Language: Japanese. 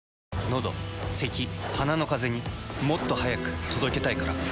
のどせき鼻のカゼにもっと速く届けたいから。